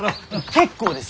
結構です！